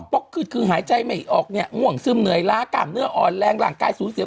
เพราะขึ้นคือหายใจไม่ออกเนี่ยง่วงซึมเหนื่อยล้ากล้ามเนื้ออ่อนแรงร่างกายสูญเสีย